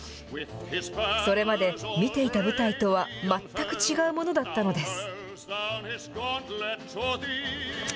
それまで見ていた舞台とは全く違うものだったのです。